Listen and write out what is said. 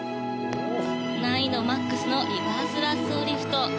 難易度マックスのリバースラッソーリフト。